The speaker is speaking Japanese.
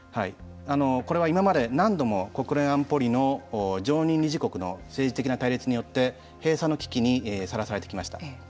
これは今まで何度も国連安保理の常任理事国の政治的な対立によって閉鎖の危機にさらされてきました。